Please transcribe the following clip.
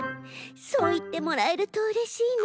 そういってもらえるとうれしいな。